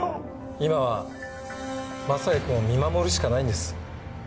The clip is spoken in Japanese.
今は雅也君を見守るしかないんです。